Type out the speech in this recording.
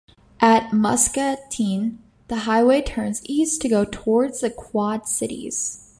At Muscatine, the highway turns east to go towards the Quad Cities.